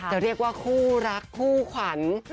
จะเรียกว่าคู่รักคู่ขวัญ